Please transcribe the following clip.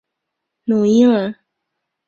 汝阴人。